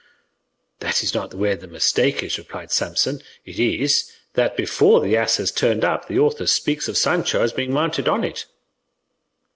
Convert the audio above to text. "That is not where the mistake is," replied Samson; "it is, that before the ass has turned up, the author speaks of Sancho as being mounted on it."